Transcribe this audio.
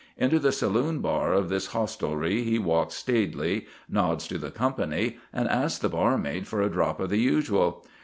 Into the saloon bar of this hostelry he walks staidly, nods to the company, and asks the barmaid for a drop of the usual.